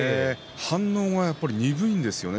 反応が鈍いですね。